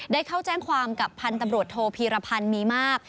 ได้เข้าแจ้งความกับพันธุ์ตำรวจโทพีรพันธ์มีมาก